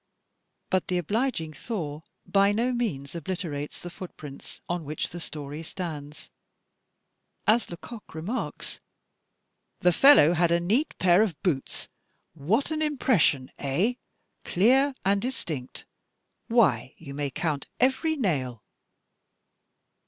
But the obliging thaw by no means obliterates the foot prints on which the story stands. As Lecoq remarks, "The fellow had a neat pair of boots. What an impression, eh! clear and distinct. Why, you may coimt every nail."